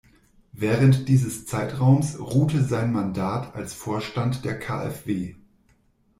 Während dieses Zeitraums ruhte sein Mandat als Vorstand der KfW.